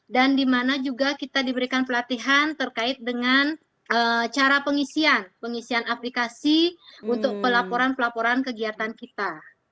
dan dimana juga kita diberikan pelatihan terkait dengan cara pengisian pengisian aplikasi untuk pelaporan pelaporan kegiatan kita